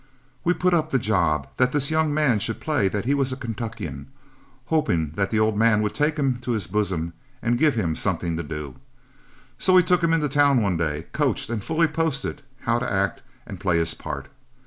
We put up the job that this young man should play that he was a Kentuckian, hoping that the old man would take him to his bosom and give him something to do. So we took him into town one day, coached and fully posted how to act and play his part.